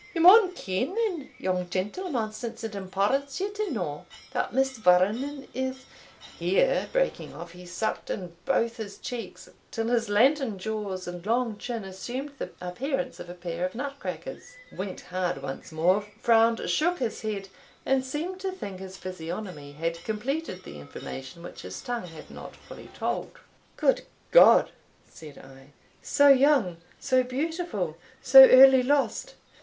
"Ye maun ken, then, young gentleman, since it imports you to know, that Miss Vernon is" Here breaking off, he sucked in both his cheeks, till his lantern jaws and long chin assumed the appearance of a pair of nut crackers; winked hard once more, frowned, shook his head, and seemed to think his physiognomy had completed the information which his tongue had not fully told. "Good God!" said I "so young, so beautiful, so early lost!"